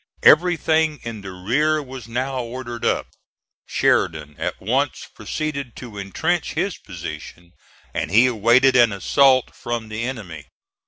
Everything in the rear was now ordered up. Sheridan at once proceeded to intrench his position; and he awaited an assault from the enemy.